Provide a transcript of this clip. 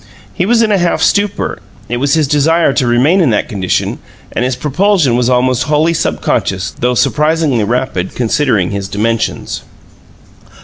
He was in a half stupor; it was his desire to remain in that condition, and his propulsion was almost wholly subconscious, though surprisingly rapid, considering his dimensions.